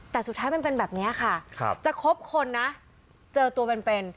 แต่สุดท้ายมันเป็นแบบนี้ค่ะจะครบคนนะเจอตัวเป็น